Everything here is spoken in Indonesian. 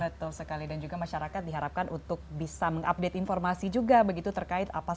betul sekali dan juga masyarakat diharapkan untuk bisa mengupdate informasi juga begitu terkait apa